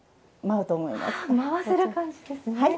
舞わせる感じですね。